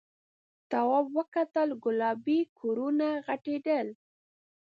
تواب وکتل گلابي کورونه غټېدل.